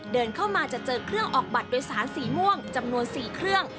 เดินเข้ามาจะเจอเครื่องออกบัตรโดยสารสีม่วงจำนวน๔เครื่อง